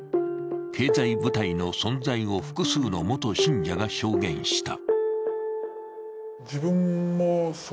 経済部隊の存在を複数の元信者が証言した。